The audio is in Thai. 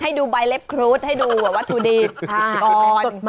ให้ดูใบเล็บครูสให้ดูวัตถุดิบก่อน